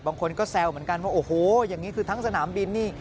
บางคนก็แซวเหมือนกันว่าโอ้โหอย่างนี้คือทั้งสนามบินนี่